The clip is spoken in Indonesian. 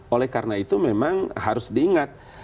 oleh karena itu memang harus diingat